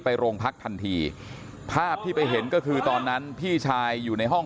โรงพักทันทีภาพที่ไปเห็นก็คือตอนนั้นพี่ชายอยู่ในห้อง